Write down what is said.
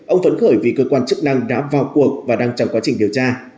ông phấn khởi vì cơ quan chức năng đã vào cuộc và đang trong quá trình điều tra